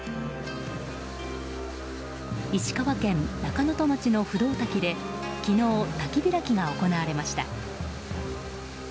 石川県中能登町の不動滝で昨日、滝開きが行われました。